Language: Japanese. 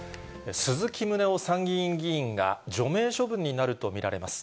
鈴木宗男参議院議員が除名処分になると見られます。